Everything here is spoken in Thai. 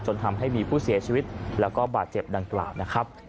จนทำให้มีผู้เสียชีวิตและบาดเจ็บดังกลาง